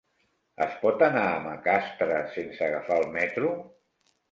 Es pot anar a Macastre sense agafar el metro?